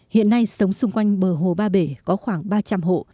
hiện nay sống xung quanh bờ hồ ba bể có khoảng ba trăm linh hộ